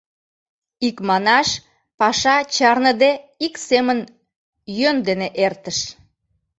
Икманаш, паша чарныде ик семын йӧн дене эртыш.